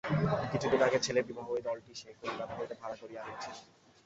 কিছুদিন আগে ছেলের বিবাহে এই দলটি সে কলিকাতা হইতে ভাড়া করিয়া আনিয়াছিল।